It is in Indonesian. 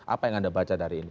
apa yang anda baca dari ini